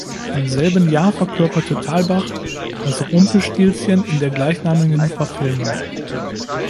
Im selben Jahr verkörperte Thalbach das Rumpelstilzchen in der gleichnamigen Verfilmung.